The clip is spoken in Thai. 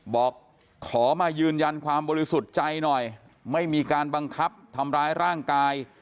บอกขอมายืนยันความบริสุทธิ์ใจหน่อยไม่มีการบังคับทำร้ายร่างกาย